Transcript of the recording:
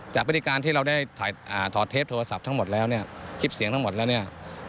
พฤติการที่เราได้ถอดเทปโทรศัพท์ทั้งหมดแล้วเนี่ยคลิปเสียงทั้งหมดแล้วเนี่ย